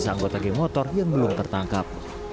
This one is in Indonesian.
di sanggota geng motor yang belum tertangkap